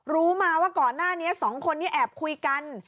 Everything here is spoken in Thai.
รู้มาว่าก่อนหน้านี้สองคนนี้แอบคุยกัน